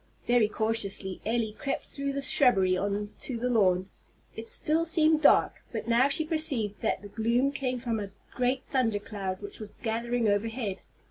Very cautiously Elly crept through the shrubbery on to the lawn. It still seemed dark, but she now perceived that the gloom came from a great thunder cloud which was gathering overhead.